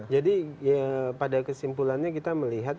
jadi pada kesimpulannya kita melihat